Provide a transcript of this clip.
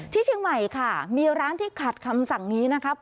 ที่เชียงใหม่ค่ะมีร้านที่ขัดคำสั่งนี้นะครับ